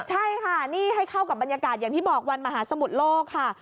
ใช่ค่ะนี่ให้เข้ากับบรรยากาศอย่างที่บอกวันมหาสมุทรโลกค่ะ